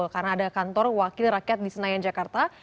karena ada kantor wakil rakyat di senayan jakarta